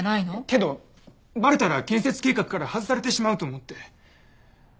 けどバレたら建設計画から外されてしまうと思って。